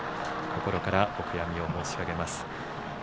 心からお悔やみを申し上げます。